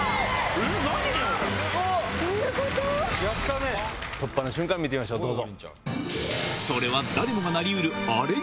どういうこと⁉突破の瞬間見てみましょうどうぞ。